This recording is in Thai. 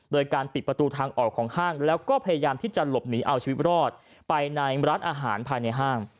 โดยการปิดประตูทางออกของห้างแล้วก็พยายามที่จะหลบหนีเอาชีวิตรอดไปในร้านอาหารภายในห้าง